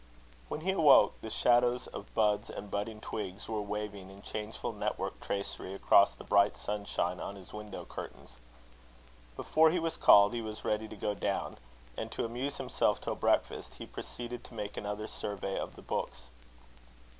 When he awoke, the shadows of boughs and budding twigs were waving in changeful network tracery, across the bright sunshine on his window curtains. Before he was called he was ready to go down; and to amuse himself till breakfast time, he proceeded to make another survey of the books.